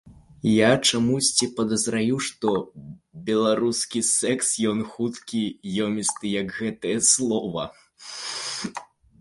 Я чамусьці падазраю, што беларускі секс ён хуткі, ёмісты, як гэтае слова.